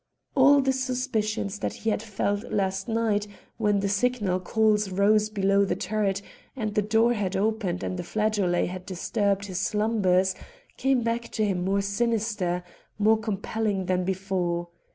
All the suspicions that he had felt last night, when the signal calls rose below the turret and the door had opened and the flageolet had disturbed his slumbers, came back to him more sinister, more compelling than before.